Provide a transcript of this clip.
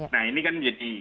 nah ini kan jadi